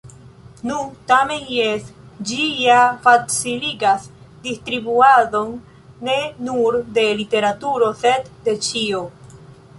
Nu, tamen jes, ĝi ja faciligas distribuadon, ne nur de literaturo, sed de ĉio.